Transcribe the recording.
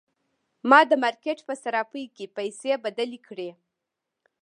ما د مارکیټ په صرافۍ کې پیسې بدلې کړې.